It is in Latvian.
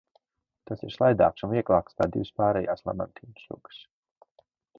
Tas ir slaidāks un vieglāks kā divas pārējās lamantīnu sugas.